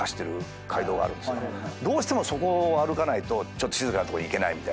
どうしてもそこを歩かないと静かなとこに行けないみたいな。